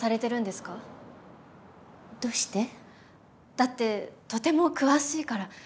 だってとても詳しいから。